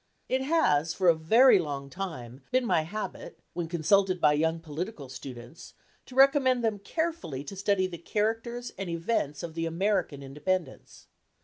It has for a very long time been my habit, when consulted by young political students, to recommend them carefully to study the characters and events of the American Independence.